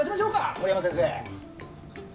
森山先生。